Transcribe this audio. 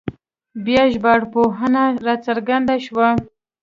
بیا ژبارواپوهنه راڅرګنده شوه